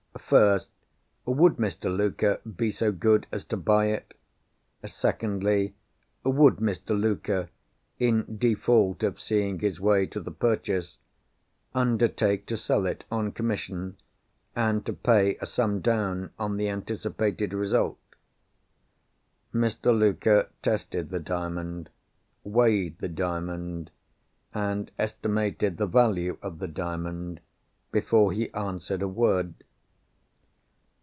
First, Would Mr. Luker be so good as to buy it? Secondly, Would Mr. Luker (in default of seeing his way to the purchase) undertake to sell it on commission, and to pay a sum down, on the anticipated result? Mr. Luker tested the Diamond, weighed the Diamond and estimated the value of the Diamond, before he answered a word.